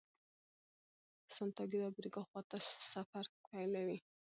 سانتیاګو د افریقا خواته سفر پیلوي.